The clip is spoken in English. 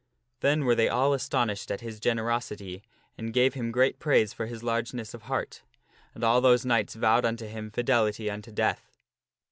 Then were they all astonished at his generosity and gave him great praise for his largeness of heart. And all those knights vowed unto him fidelity unto death.